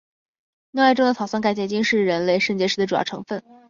尿液中的草酸钙结晶是人类肾结石的主要成分。